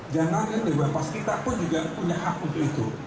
janganlah di bapak kita pun juga punya hak untuk itu